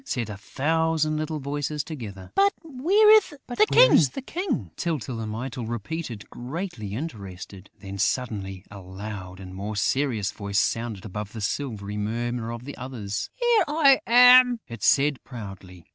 said a thousand little voices together. "But where is the King?" Tyltyl and Mytyl repeated, greatly interested. Then, suddenly, a louder and more serious voice sounded above the silvery murmur of the others: "Here I am!" it said proudly.